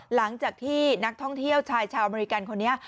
หลังจากที่นักท่องเที่ยวชายชาวอเมริกันคนนี้